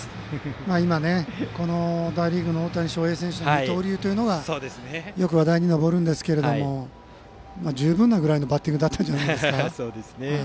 今、大リーグの大谷翔平選手の二刀流というのがよく話題に上りますけど十分なぐらいのバッティングだったんじゃないですか。